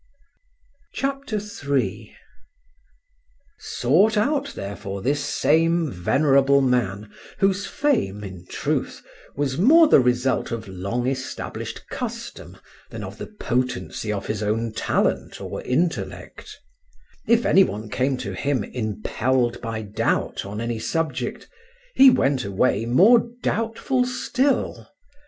CHAPTER III OF HOW HE CAME TO LAON TO SEEK ANSELM AS TEACHER Sought out, therefore, this same venerable man, whose fame, in truth, was more the result of long established custom than of the potency of his own talent or intellect. If any one came to him impelled by doubt on any subject, he went away more doubtful still.